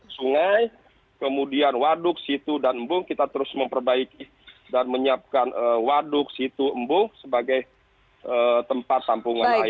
sungai kemudian waduk situ dan embung kita terus memperbaiki dan menyiapkan waduk situ embung sebagai tempat tampungan air